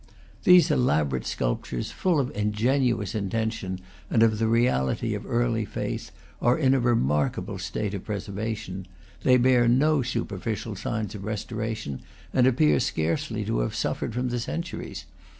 These elaborate sculptures, full of ingenuous intention and of the reality of early faith, are in a remarkable state of pre servation; they bear no superficial signs of restoration, and appear scarcely to have suffered from the centu ries.